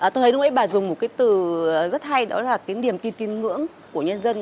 tôi thấy đúng với bà dùng một cái từ rất hay đó là cái niềm tin tin ngưỡng của nhân dân